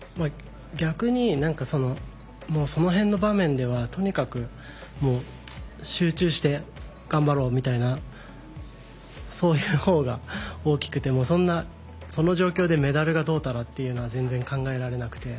逆に、その辺の場面ではとにかくもう集中して頑張ろうみたいなそういうほうが大きくてその状況でメダルがどうたらというのは全然考えられなくて。